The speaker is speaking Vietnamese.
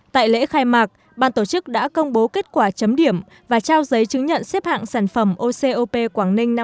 tại lễ khai mạc ban tổ chức đã công bố kết quả chấm điểm và trao giấy chứng nhận xếp hạng sản phẩm ocop quảng ninh năm hai nghìn hai mươi